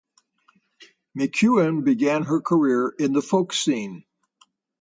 McKeown began her career in the folk scene.